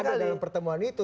tidak ada dalam pertemuan itu